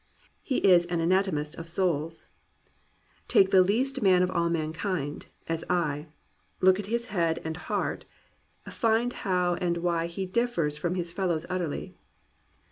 He is an anatomist of souls. "Take the least man of all mankind, as I; Look at his head and heart, find how and why He differs from his fellows utterly."